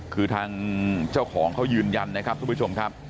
คือทางเจ้าของเขายืนยันนะครับทุกผู้ชมครับ